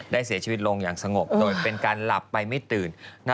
เสียชีวิตลงอย่างสงบโดยเป็นการหลับไปไม่ตื่น